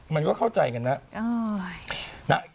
มันก็เข้าใจกันนะ